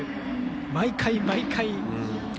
毎回毎回。